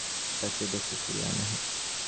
তাঁকে দেশে ফিরিয়ে আনা হোক।